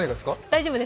大丈夫？